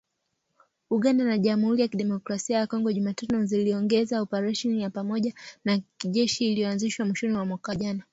Uganda na Jamhuri ya Kidemokrasi ya Kongo, Jumatano ziliongeza operesheni ya pamoja ya kijeshi iliyoanzishwa mwishoni mwa mwaka jana